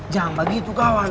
jangan begitu kawan